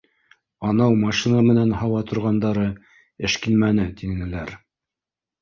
Анау машина менән һауа торғандары эшкинмәне, тинеләр